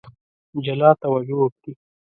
جلا توجه وکړي.